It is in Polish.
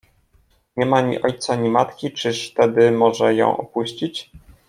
Nie ma ni ojca, ni matki, czyż tedy może ją opuścić?